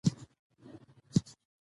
کلیمه د ژبي ښکلا ده.